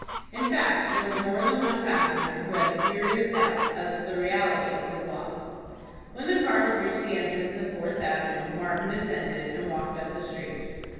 In fact, there was more than one passenger who had serious doubts as to the reality of his loss. When the cars reached the entrance of Fourth Avenue, Martin descended, and walked up the street.